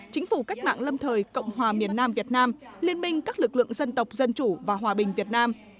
chính phủ cách mạng lâm thời cộng hòa miền nam việt nam liên minh các lực lượng dân tộc dân chủ và hòa bình việt nam